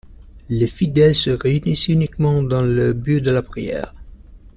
Les fidèles se réunissent uniquement dans le but de la prière.